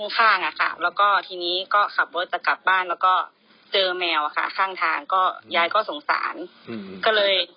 จะกลับบ้านแล้วก็เจอแมวอ่ะค่ะข้างทางก็ยายก็สงสารก็เลย